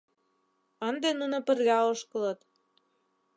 Ынде нуно пырля ошкылыт.